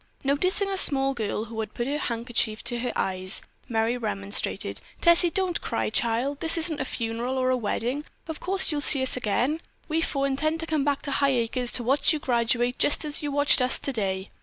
Noticing a small girl who had put her handkerchief to her eyes, Merry remonstrated. "Tessie, don't cry, child! This isn't a funeral or a wedding. Of course you'll see us again. We four intend to come back to Highacres to watch you graduate just as you watched us today.